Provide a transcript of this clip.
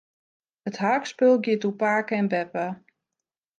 It harkspul giet oer pake en beppe.